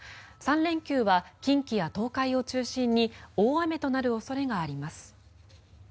３連休は近畿や東海を中心に大雨となる恐れがあります。